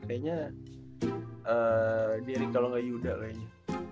kayaknya dari kalau nggak yuda kayaknya